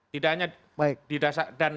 tidak hanya di dasar